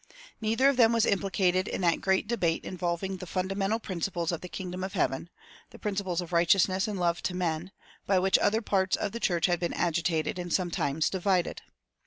Neither of them was implicated in that great debate involving the fundamental principles of the kingdom of heaven, the principles of righteousness and love to men, by which other parts of the church had been agitated and sometimes divided.